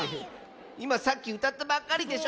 いまさっきうたったばっかりでしょ。